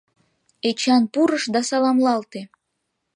Эчан пурыш да саламлалте.